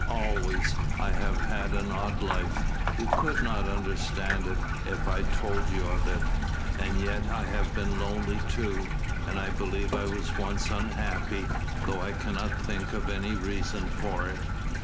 "Always. I have had an odd life. You could not understand it, if I told you of it." "And yet I have been lonely too and I believe I was once unhappy, though I cannot think of any reason for it."